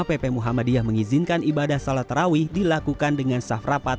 pp muhammadiyah mengizinkan ibadah salat rawih dilakukan dengan safrapat